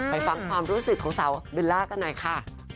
ฟังความรู้สึกของสาวเบลล่ากันหน่อยค่ะ